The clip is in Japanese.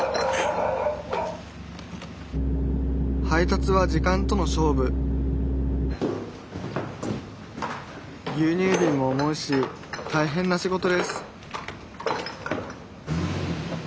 配達は時間との勝負牛乳ビンも重いし大変な仕事です